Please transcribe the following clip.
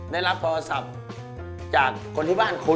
ได้รับโทรศัพท์จากคนที่บ้านคุณ